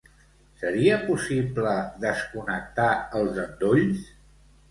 Seria possible desconnectar els endolls?